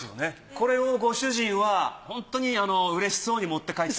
これをご主人はホントにうれしそうに持って帰って。